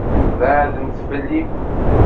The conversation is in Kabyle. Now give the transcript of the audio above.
Beɛɛdemt fell-i!